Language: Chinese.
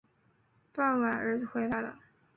傍晚儿子回来了